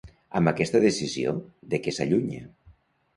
Amb aquesta decisió, de què s'allunya?